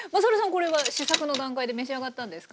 これは試作の段階で召し上がったんですか？